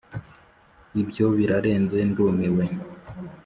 ibyo birarenze, ndumiwe.